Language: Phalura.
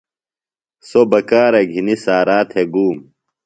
سو بکارہ گِھینی سارا تھےۡ گوم۔